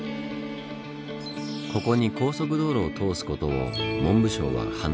ここに高速道路を通すことを文部省は反対。